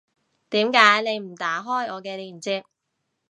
點解你唔打開我嘅鏈接